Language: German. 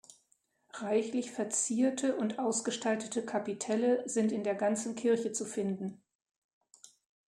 Reichlich verzierte und ausgestaltete Kapitelle sind in der ganzen Kirche zu finden.